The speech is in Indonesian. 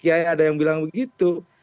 ada yang bilang begitu